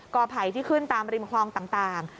อไผ่ที่ขึ้นตามริมคลองต่าง